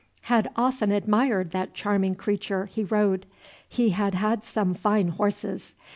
Had often admired that charming creature he rode: we had had some fine horses.